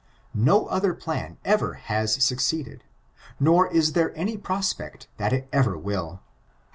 No other plan ever has succeeded, nor is there any prospect that it ever will.